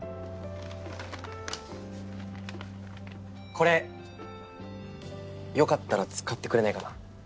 これよかったら使ってくれないかな。